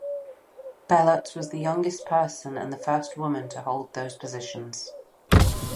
Bellot was the youngest person and the first woman to hold those positions.